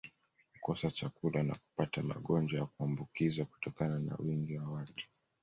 kukosa chakula na kupata magonjwa ya kuambukiza kutokana na wingi wa watu